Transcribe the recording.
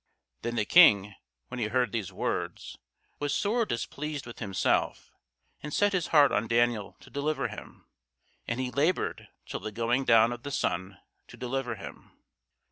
Then the King, when he heard these words, was sore displeased with himself, and set his heart on Daniel to deliver him: and he laboured till the going down of the sun to deliver him.